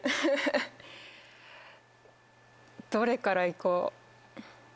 どれから行こう？